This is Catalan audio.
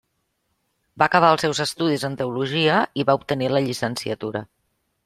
Va acabar els seus estudis en teologia i va obtenir la llicenciatura.